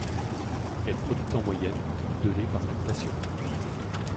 Elle produit en moyenne de lait par lactation.